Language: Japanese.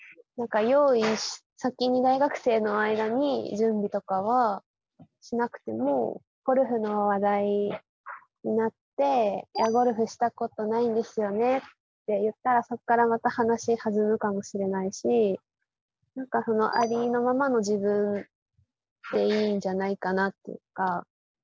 何か用意先に大学生の間に準備とかはしなくてもゴルフの話題になって「いやゴルフしたことないんですよね」って言ったらそこからまた話弾むかもしれないし何かありのままの自分でいいんじゃないかなっていうか。